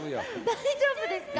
大丈夫ですか？